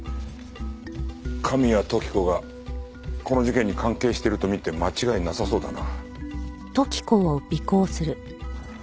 神谷時子がこの事件に関係してるとみて間違いなさそうだな。